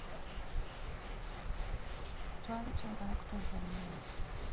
Twali twagala kutaasa linnya lyaffe.